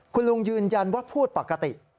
คุณลุงยืนยันว่าพูดปกติ